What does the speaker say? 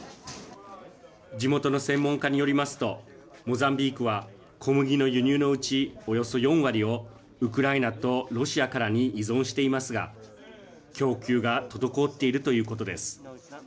地元の専門家によりますとモザンビークは小麦の輸入のうちおよそ４割をウクライナとロシアからに依存していますが供給が滞っているということです。